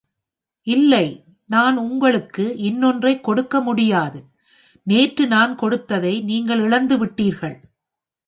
இல்லை, நான் உங்களுக்கு இன்னொன்றை கொடுக்க முடியாது. நேற்று நான் கொடுத்ததை நீங்கள்இழந்துவிட்டீர்கள்!